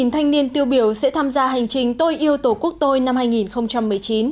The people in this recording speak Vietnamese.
một mươi thanh niên tiêu biểu sẽ tham gia hành trình tôi yêu tổ quốc tôi năm hai nghìn một mươi chín